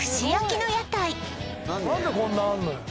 何でこんなあんのよ